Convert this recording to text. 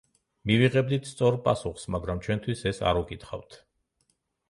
მივიღებდით სწორ პასუხს, მაგრამ ჩვენთვის ეს არ უკითხავთ.